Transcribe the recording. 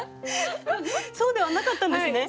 そうではなかったんですね？